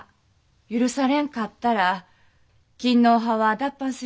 許されんかったら勤皇派は脱藩するやろね。